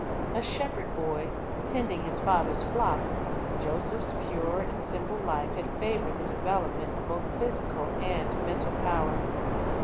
A shepherd boy, tending his father's flocks, Joseph's pure and simple life had favored the development of both physical and mental power.